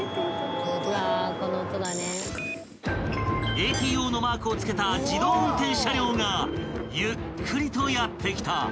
［ＡＴＯのマークを付けた自動運転車両がゆっくりとやって来た］